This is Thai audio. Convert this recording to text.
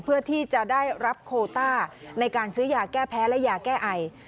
เพื่อที่จะได้รับโคต้าในการซื้อยาแก้แพ้และยาแก้ไอ